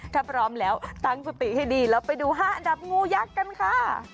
ถ้าพร้อมแล้วตั้งสติให้ดีแล้วไปดู๕อันดับงูยักษ์กันค่ะ